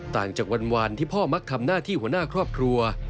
ต่างจากวันที่พ่อมักทำหน้าที่หัวหน้าครอบครัว